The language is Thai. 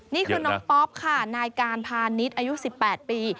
นี่คือน้องป๊อปค่ะนายการพาณิชย์อายุ๑๘ปี